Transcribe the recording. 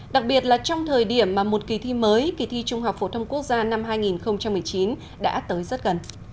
đặc biệt là trong thời điểm mà một kỳ thi mới kỳ thi trung học phổ thông quốc gia năm hai nghìn một mươi chín đã tới rất gần